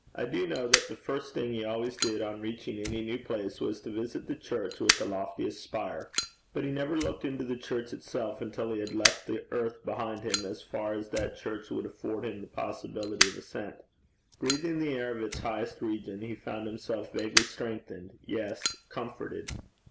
I do know that the first thing he always did on reaching any new place was to visit the church with the loftiest spire; but he never looked into the church itself until he had left the earth behind him as far as that church would afford him the possibility of ascent. Breathing the air of its highest region, he found himself vaguely strengthened, yes comforted.